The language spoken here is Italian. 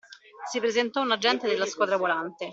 Si presentò un agente della Squadra Volante.